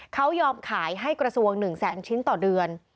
เขายอมขายให้กระทรวง๑แสนชิ้นต่อเดือน